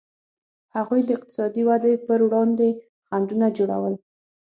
هغوی د اقتصادي ودې پر وړاندې خنډونه جوړول.